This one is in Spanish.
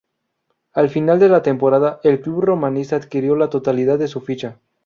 Al final de la temporada, el club romanista adquirió la totalidad de su ficha.